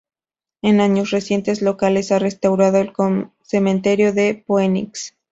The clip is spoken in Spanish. En años recientes, locales han restaurado el cementerio de Phoenix.